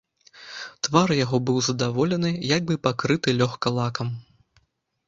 Твар яго быў задаволены, як бы пакрыты лёгка лакам.